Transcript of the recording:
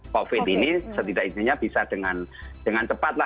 covid ini setidaknya bisa dengan cepat lah